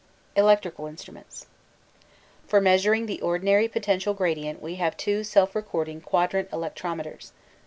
Electrical Instruments For measuring the ordinary potential gradient we have two self recording quadrant electrometers.